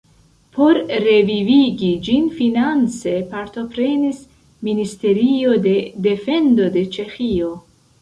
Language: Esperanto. Por revivigi ĝin finance partoprenis Ministerio de defendo de Ĉeĥio.